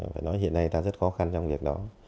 phải nói hiện nay ta rất khó khăn trong việc đó